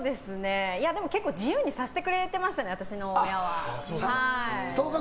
結構自由にさせてくれてましたね、私の親は。